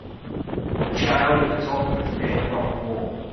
A child at the top of a fake rock wall.